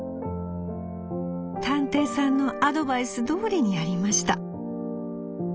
『探偵さんのアドバイスどおりにやりました。